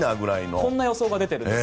こんな予想が出ています。